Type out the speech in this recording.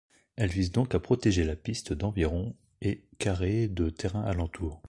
Elle vise donc à protéger la piste d'environ et carrés de terrains alentour.